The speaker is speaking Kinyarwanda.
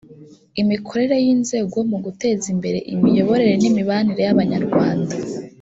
imikorere y inzego mu guteza imbere imiyoborere n imibanire y abanyarwanda